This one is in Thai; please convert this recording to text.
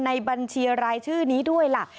บัญชีรายชื่อนี้ด้วยล่ะ